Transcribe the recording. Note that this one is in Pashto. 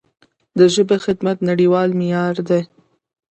د ژبې خدمت نړیوال معیار دی.